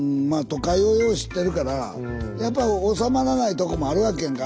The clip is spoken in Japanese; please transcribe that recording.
都会をよう知ってるからやっぱりおさまらないとこもあるわけんか。